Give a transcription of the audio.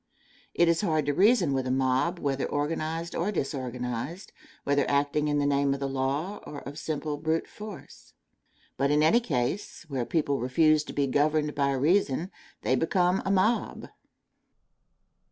It is hard to reason with a mob whether organized or disorganized, whether acting in the name of the law or of simple brute force. But in any case, where people refuse to be governed by reason, they become a mob.